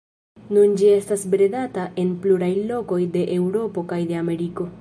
Nun ĝi estas bredata en pluraj lokoj de Eŭropo kaj de Ameriko.